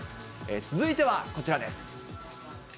続いてはこちらです。